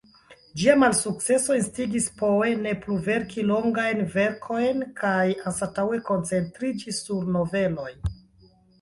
Ĝia malsukceso instigis Poe ne plu verki longajn verkojn, kaj anstataŭe koncentriĝi sur noveloj.